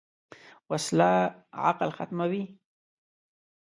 وسله عقل ختموي